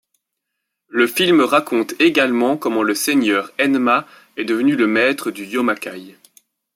Le film raconte également comment le seigneur Enma est devenu le maître du Yomakai.